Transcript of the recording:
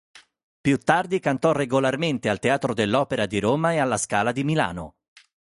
Più tardi cantò regolarmente al Teatro dell'Opera di Roma e alla Scala di Milano.